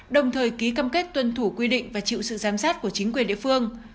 đồng thời ký cam kết tuân thủ quy định và chịu sự giám sát của chính quyền địa phương